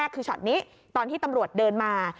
คือช็อตนี้ตอนที่ตำรวจเดินมา